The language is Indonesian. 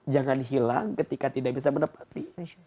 jangan hilang ketika tidak bisa menepati